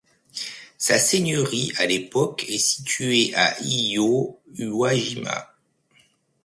Sa seigneurie à l'époque est située à Iyo-Uwajima.